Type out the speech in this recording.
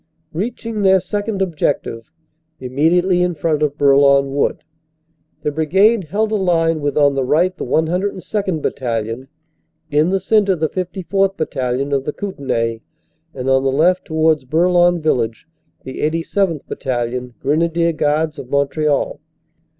Reaching their second ob jective, immediately in front of Bourlon Wood, the brigade held a line with on the right the 102nd. Battalion, in the cen tre the 54th. Battalion, of the Kootenay, and on the left, towards Bourlon village, the 87th. Battalion, Grenadier Guards of Montreal.